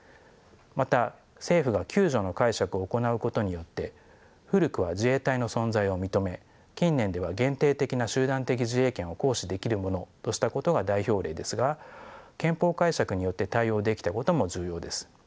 また政府が九条の解釈を行うことによって古くは自衛隊の存在を認め近年では限定的な集団的自衛権を行使できるものとしたことが代表例ですが憲法解釈によって対応できたことも重要です。